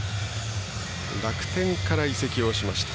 楽天から移籍をしました。